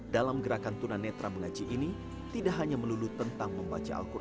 dalam gerakan tunanetra mengaji ini tidak hanya melulu tentang membaca alquran braille saja